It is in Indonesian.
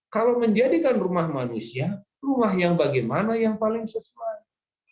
kalau menjadikan rumah manusia rumah yang bagaimana yang paling sesuai